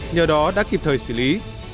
nhờ đó đã kịp thời xử lý